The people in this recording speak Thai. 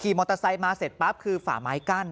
มอเตอร์ไซค์มาเสร็จปั๊บคือฝ่าไม้กั้น